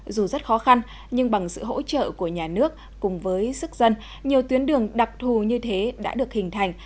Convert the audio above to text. dù rất khó khăn nhưng bằng sự hỗ trợ của nhà nước cùng với sức dân nhiều tuyến đường đặc thù như thế đã được hình thành